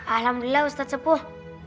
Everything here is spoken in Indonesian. alhamdulillah ustadz sepuh